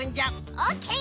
オッケー。